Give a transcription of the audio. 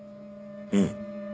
うん。